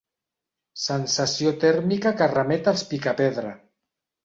Sensació tèrmica que remet als Picapedra.